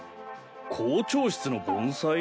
「校長室の盆栽」？